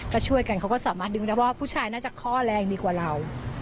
ก็ช่วยกันเขาก็สามารถดึงได้ว่าผู้ชายน่าจะข้อแรงดีกว่าเรา